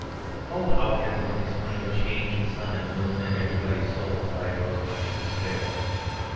"Oh, how can one explain a change in sun and moon and everybody's soul?" cried Rosamund, in despair.